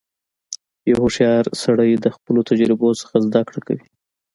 • یو هوښیار سړی د خپلو تجربو څخه زدهکړه کوي.